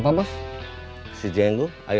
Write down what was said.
akses dari pendekur